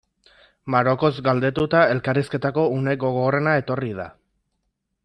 Marokoz galdetuta, elkarrizketako une gogorrena etorri da.